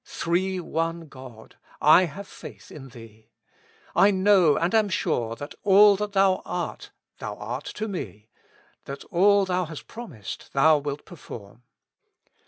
Three One God, I have faith in Thee. I know and am sure that all that Thou art Thou art to me, that all Thou hast promised Thou wilt perform.